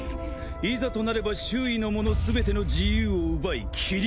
いざとなれば周囲の者すべての自由を奪い斬り